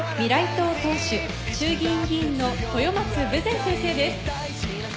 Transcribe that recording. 党党首衆議院議員の豊松豊前先生です。